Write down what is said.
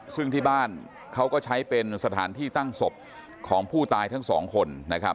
ซึ่งที่บ้านเขาก็ใช้เป็นสถานที่ตั้งศพของผู้ตายทั้งสองคนนะครับ